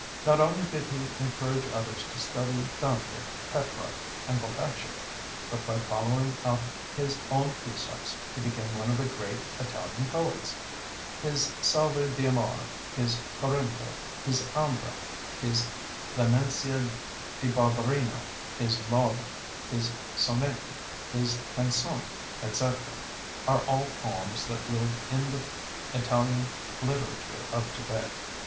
Not only did he encourage others to study Dante, Petrarch, and Boccaccio, but by following out his own precepts he became one of the great Italian poets. His Selve d'Amore, his Corinto, his Ambra, his La Nencia da Barberino, his Laude, his Sonetti, his Cansoni, etc., are all poems that live in the Italian literature of to day.